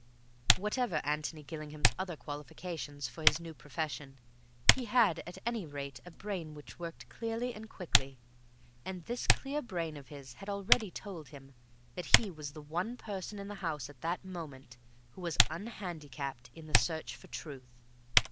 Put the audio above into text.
Whatever Antony Gillingham's other qualifications for his new profession, he had at any rate a brain which worked clearly and quickly. And this clear brain of his had already told him that he was the only person in the house at that moment who was unhandicapped in the search for truth.